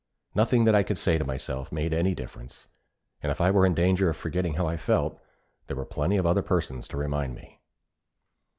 Nothing that I could say to myself made any difference; and if I were in danger of forgetting how I felt, there were plenty of other persons to remind me.